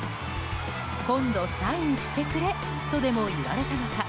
今度サインしてくれとでも言われたのか。